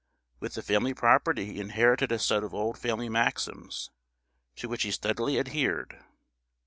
With the family property he inherited a set of old family maxims, to which he steadily adhered.